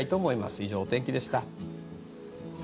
以上、お天気でした。